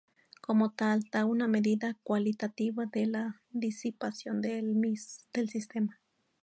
Como tal, da una medida cualitativa de la disipación del sistema.